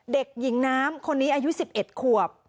เด็กหญิงน้ำคนนี้อายุ๑๑ขวบ